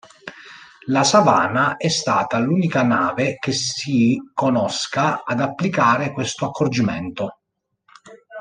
La "Savannah" è stata l'unica nave che si conosca ad applicare questo accorgimento.